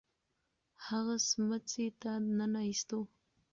هغه سمڅې ته ننه ایستو.